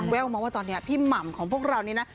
แววมาว่าตอนนี้พี่หม่ำของพวกเรานี้นะ